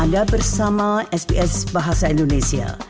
anda bersama sbs bahasa indonesia